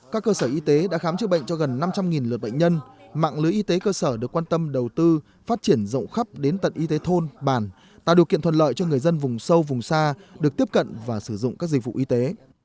các cơ sở y tế đã khám chữa bệnh cho gần năm trăm linh lượt bệnh nhân mạng lưới y tế cơ sở được quan tâm đầu tư phát triển rộng khắp đến tận y tế thôn bàn tạo điều kiện thuận lợi cho người dân vùng sâu vùng xa được tiếp cận và sử dụng các dịch vụ y tế